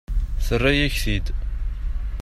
Terra-yak-t-id.